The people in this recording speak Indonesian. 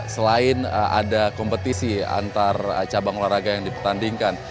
selain ada kompetisi antar cabang olahraga yang dipertandingkan